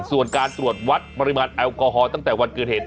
ส่วนการตรวจวัดปริมาณแอลกอฮอลตั้งแต่วันเกิดเหตุ